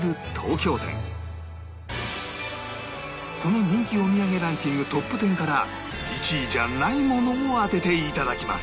その人気お土産ランキングトップ１０から１位じゃないものを当てて頂きます